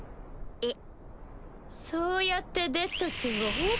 えっ！